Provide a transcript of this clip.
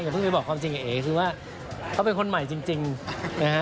เพิ่งไปบอกความจริงกับเอ๋คือว่าเขาเป็นคนใหม่จริงนะฮะ